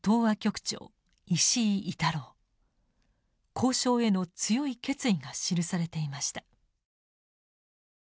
交渉への強い決意が記されていました。